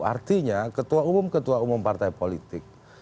artinya ketua umum ketua umum partai politik